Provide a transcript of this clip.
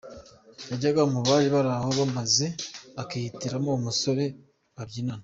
Yanjyaga mubari baraho maze akihitiramo umusore babyinana.